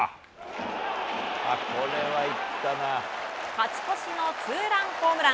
勝ち越しのツーランホームラン。